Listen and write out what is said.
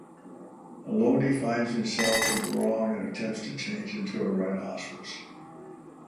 Alone, he finds himself in the wrong and attempts to change into a rhinoceros.